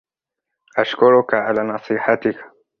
أشكرك على نصيحتك.